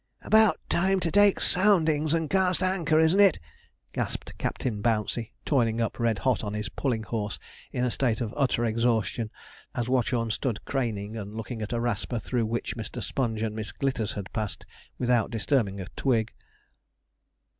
'About time to take soundings, and cast anchor, isn't it?' gasped Captain Bouncey, toiling up red hot on his pulling horse in a state of utter exhaustion, as Watchorn stood craneing and looking at a rasper through which Mr. Sponge and Miss Glitters had passed, without disturbing a twig.